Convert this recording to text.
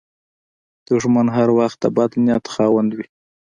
دښمن هر وخت د بد نیت خاوند وي